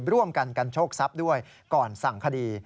ร่วมกันกันโชคทรัพย์ด้วยก่อนสั่งคดี